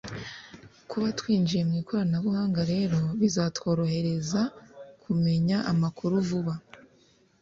kuba twinjiye mu ikoranabuhanga rero bizatworohereza kumenya amakuru vuba